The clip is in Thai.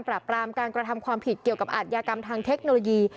ปราบปรามการกระทำความผิดเกี่ยวกับอาทยากรรมทางเทคโนโลยี